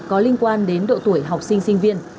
có liên quan đến độ tuổi học sinh sinh viên